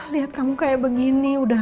lihat kamu kayak begini